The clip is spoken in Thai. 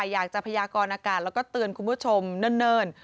อยากจะพยากรอากาศแล้วก็เตือนคุณผู้ชมเนิ่น